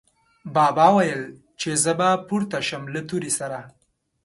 بابا ویل، چې زه به پورته شم له تورې سره